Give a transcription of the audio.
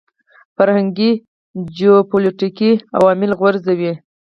فرهنګي جیوپولیټیکي عوامل غورځوي.